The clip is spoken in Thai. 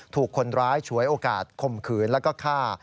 ถูกคนร้ายฉวยโอกาสข่มขืนแล้วก็ฆ่า